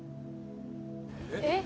えっ！？